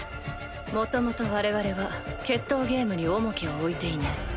もともと我々は決闘ゲームに重きを置いていない。